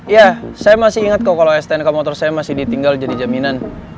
iya saya masih ingat kok kalau s sepuluh ke motor saya masih ditinggal jadi jaminan